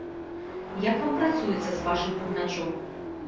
Як вам працуецца з вашым бубначом?